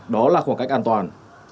đó là khoảng cách an toàn